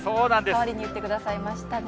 代わりに言ってくださいましたね。